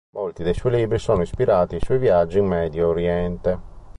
Molti dei suoi libri sono ispirati ai suoi viaggi in Medio Oriente.